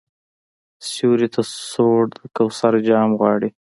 سیوري ته سوړ د کوثر جام غواړي